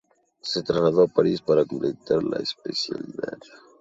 Se trasladó a Paris para completar la especialidad.